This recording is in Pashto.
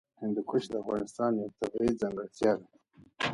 هندوکش د افغانستان یوه طبیعي ځانګړتیا ده.